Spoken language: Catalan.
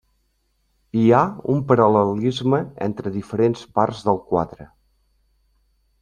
Hi ha un paral·lelisme entre diferents parts del quadre.